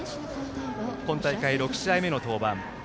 今大会６試合目の登板。